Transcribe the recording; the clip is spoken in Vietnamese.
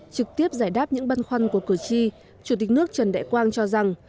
trực tiếp giải đáp những băn khoăn của cử tri chủ tịch nước trần đại quang cho rằng